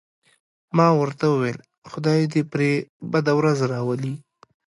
ما ورته وویل: خدای دې پرې بده ورځ راولي.